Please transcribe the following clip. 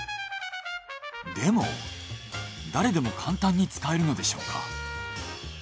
でも誰でも簡単に使えるのでしょうか？